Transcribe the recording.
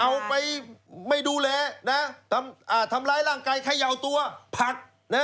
เอาไปไม่ดูแลนะทำร้ายร่างกายเขย่าตัวผัก